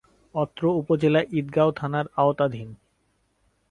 অত্র উপজেলা ঈদগাঁও থানার আওতাধীন।